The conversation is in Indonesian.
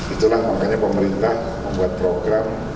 itulah makanya pemerintah membuat program